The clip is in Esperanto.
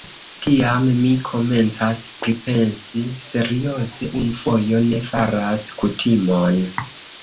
Tiam, mi komencas pripensi serioze: unu fojo ne faras kutimon.